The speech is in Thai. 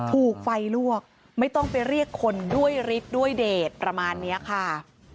ถูกไฟลวกไม่ต้องไปเรียกคนด้วยฤทธิ์ด้วยเดทประมาณนี้ค่ะ